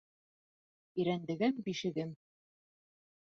Ирәндегем- бишегем